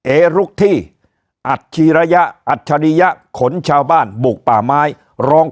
ลุกที่อัจฉีระยะอัจฉริยะขนชาวบ้านบุกป่าไม้ร้อง